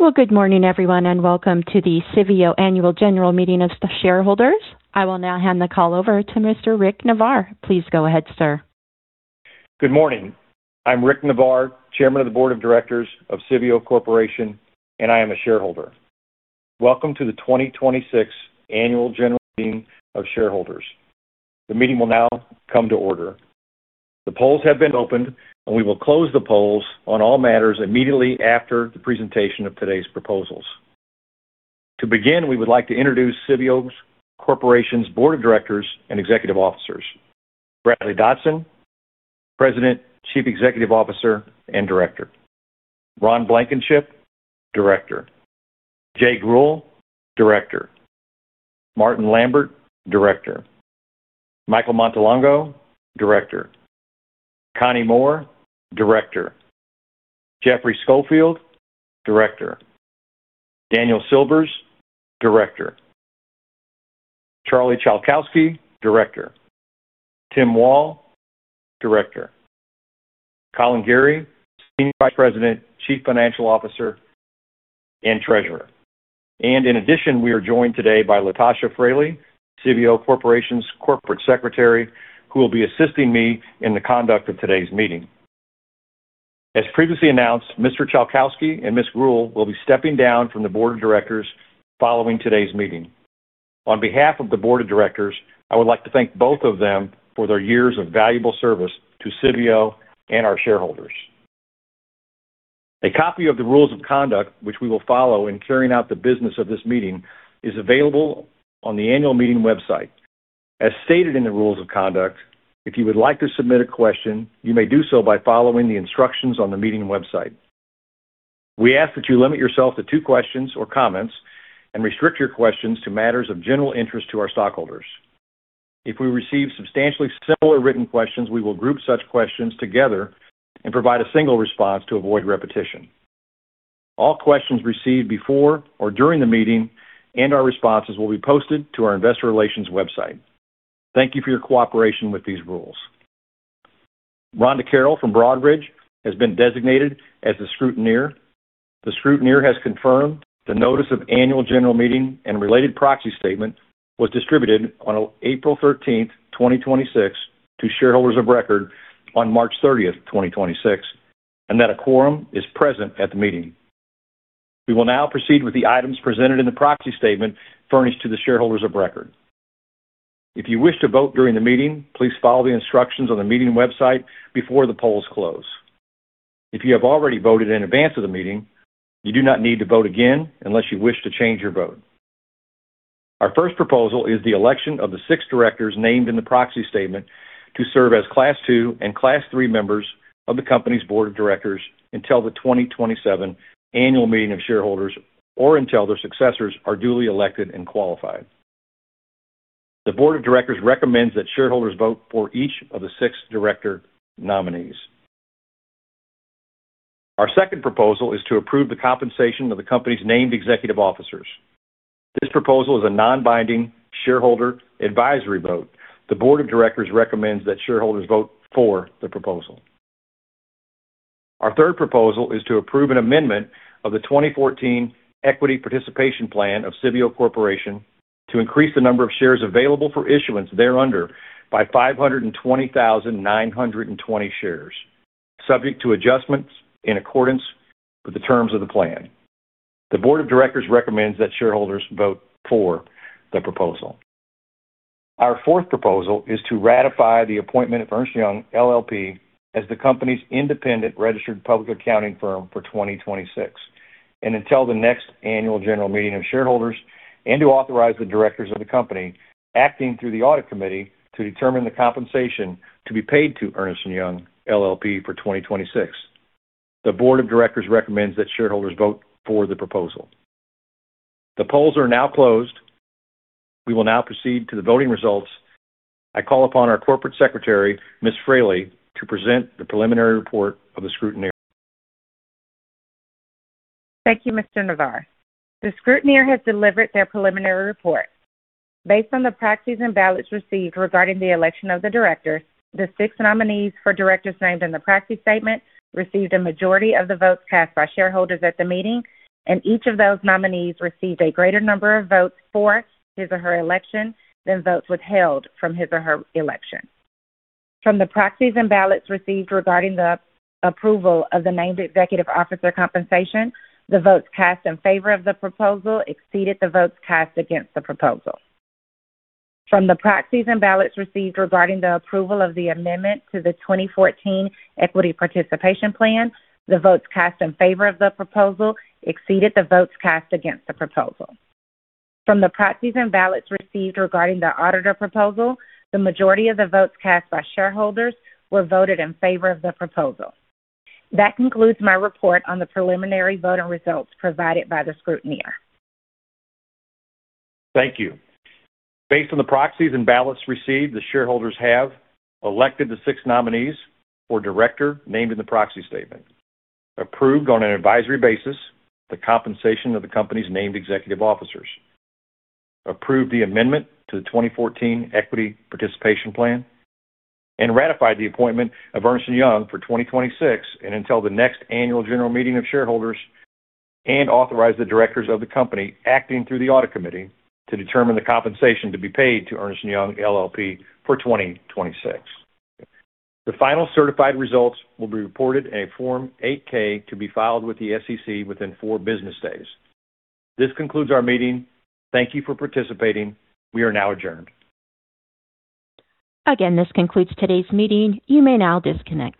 Well, good morning everyone, and welcome to the Civeo Annual General Meeting of Shareholders. I will now hand the call over to Mr. Rick Navarre. Please go ahead, sir. Good morning. I'm Rick Navarre, Chairman of the Board of Directors of Civeo Corporation, and I am a shareholder. Welcome to the 2026 Annual General Meeting of Shareholders. The meeting will now come to order. The polls have been opened, and we will close the polls on all matters immediately after the presentation of today's proposals. To begin, we would like to introduce Civeo Corporation's Board of Directors and Executive Officers. Bradley Dodson, President, Chief Executive Officer, and Director. Ronald Blankenship, Director. Jay Grewal, Director. Martin Lambert, Director. Michael Montelongo, Director. Constance Moore, Director. Jeffrey Scofield, Director. Daniel Silvers, Director. Charles Szalkowski, Director. Timothy Wall, Director. Collin Gerry, Senior Vice President, Chief Financial Officer, and Treasurer. In addition, we are joined today by LaTosha Fraley, Civeo Corporation's Corporate Secretary, who will be assisting me in the conduct of today's meeting. As previously announced, Mr. Szalkowski and Ms. Grewal will be stepping down from the board of directors following today's meeting. On behalf of the board of directors, I would like to thank both of them for their years of valuable service to Civeo and our shareholders. A copy of the rules of conduct, which we will follow in carrying out the business of this meeting, is available on the annual meeting website. As stated in the rules of conduct, if you would like to submit a question, you may do so by following the instructions on the meeting website. We ask that you limit yourself to two questions or comments and restrict your questions to matters of general interest to our stockholders. If we receive substantially similar written questions, we will group such questions together and provide a single response to avoid repetition. All questions received before or during the meeting and our responses will be posted to our investor relations website. Thank you for your cooperation with these rules. Rhonda Carroll from Broadridge has been designated as the scrutineer. The scrutineer has confirmed the notice of Annual General Meeting and related proxy statement was distributed on April 13, 2026, to shareholders of record on March 30th, 2026, and that a quorum is present at the meeting. We will now proceed with the items presented in the proxy statement furnished to the shareholders of record. If you wish to vote during the meeting, please follow the instructions on the meeting website before the polls close. If you have already voted in advance of the meeting, you do not need to vote again unless you wish to change your vote. Our first proposal is the election of the six directors named in the proxy statement to serve as class two and class three members of the company's board of directors until the 2027 annual meeting of shareholders or until their successors are duly elected and qualified. The board of directors recommends that shareholders vote for each of the six director nominees. Our second proposal is to approve the compensation of the company's named executive officers. This proposal is a non-binding shareholder advisory vote. The board of directors recommends that shareholders vote for the proposal. Our third proposal is to approve an amendment of the 2014 Equity Participation Plan of Civeo Corporation to increase the number of shares available for issuance thereunder by 520,920 shares, subject to adjustments in accordance with the terms of the plan. The board of directors recommends that shareholders vote for the proposal. Our fourth proposal is to ratify the appointment of Ernst & Young LLP as the company's independent registered public accounting firm for 2026 and until the next annual general meeting of shareholders, and to authorize the directors of the company, acting through the audit committee, to determine the compensation to be paid to Ernst & Young LLP for 2026. The board of directors recommends that shareholders vote for the proposal. The polls are now closed. We will now proceed to the voting results. I call upon our corporate secretary, Ms. Fraley, to present the preliminary report of the scrutineer. Thank you, Mr. Navarre. The scrutineer has delivered their preliminary report. Based on the proxies and ballots received regarding the election of the directors, the six nominees for directors named in the proxy statement received a majority of the votes cast by shareholders at the meeting, and each of those nominees received a greater number of votes for his or her election than votes withheld from his or her election. From the proxies and ballots received regarding the approval of the named executive officer compensation, the votes cast in favor of the proposal exceeded the votes cast against the proposal. From the proxies and ballots received regarding the approval of the amendment to the 2014 Equity Participation Plan, the votes cast in favor of the proposal exceeded the votes cast against the proposal. From the proxies and ballots received regarding the auditor proposal, the majority of the votes cast by shareholders were voted in favor of the proposal. That concludes my report on the preliminary voting results provided by the scrutineer. Thank you. Based on the proxies and ballots received, the shareholders have elected the six nominees for director named in the proxy statement, approved on an advisory basis the compensation of the company's named executive officers, approved the amendment to the 2014 Equity Participation Plan, and ratified the appointment of Ernst & Young LLP for 2026 and until the next annual general meeting of shareholders, and authorized the directors of the company, acting through the audit committee, to determine the compensation to be paid to Ernst & Young LLP for 2026. The final certified results will be reported in a Form 8-K to be filed with the SEC within four business days. This concludes our meeting. Thank you for participating. We are now adjourned. This concludes today's meeting. You may now disconnect.